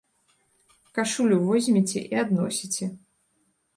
Кашулю возьмеце і адносіце.